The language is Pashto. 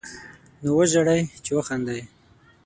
نو وژاړئ، چې وخاندئ